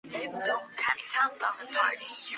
他是一位右手握拍选手。